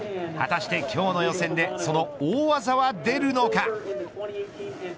果たして今日の予選でその大技は出るのか。